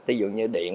tí dụ như điện